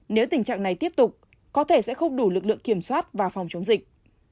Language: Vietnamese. nếu tình trạng này tiếp tục có thể sẽ không đủ lực lượng kiểm soát và phòng chống dịch